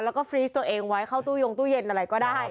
แล้วก็ฟรีสตัวเองไว้เข้าตู้ยงตู้เย็นอะไรก็ได้